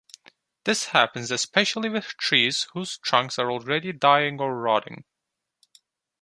This happens especially with trees whose trunks are already dying or rotting.